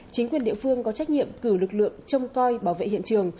chính quyền địa phương có trách nhiệm cử lực lượng trông coi bảo vệ hiện trường